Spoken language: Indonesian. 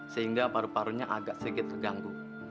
sehingga paru parunya agak sedikit terganggu